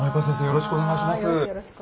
よろしくお願いします。